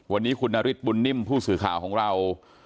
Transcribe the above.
วันนี้คุณนฤทธิบุญนิ่มผู้สื่อข่าวของเรา